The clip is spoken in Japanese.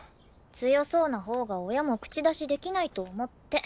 強そうなほうが親も口出しできないと思って。